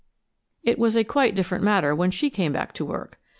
It was quite a different matter when she came back to work.